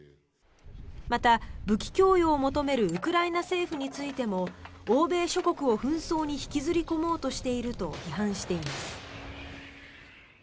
また、武器供与を求めるウクライナ政府についても欧米諸国を紛争に引きずり込もうとしていると批判しています。